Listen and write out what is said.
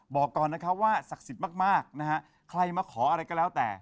บอกก่อนว่าศักดิ์ศิษย์มากใครมาขออะไรก็แล้วแต่